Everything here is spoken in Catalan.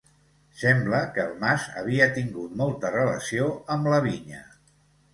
Sembla que el mas havia tingut molta relació amb la vinya.